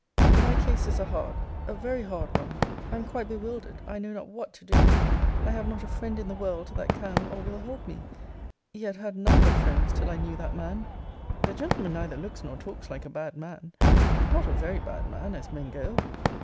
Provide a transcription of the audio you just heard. Cl. My case is a hard, a very hard one I am quite bewildered! I know not what to do! I have not a friend in the world that can or will help me! Yet had none but friends till I knew that man! Miss R. The gentleman neither looks nor talks like a bad man. Not a very bad man, as men go.